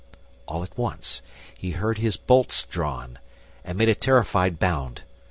All at once he heard his bolts drawn, and made a terrified bound.